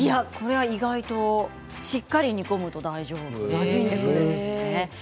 それが意外としっかり煮込むと大丈夫なんですね。